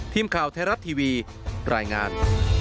ทีมข่าวไทยรัฐทีวีรายงาน